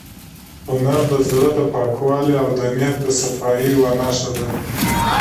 هنر د زړه د پاکوالي او د نیت د صفایۍ یوه نښه ده.